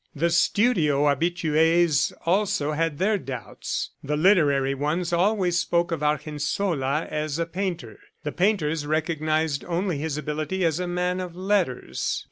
The studio habitues also had their doubts. The literary ones always spoke of Argensola as a painter. The painters recognized only his ability as a man of letters.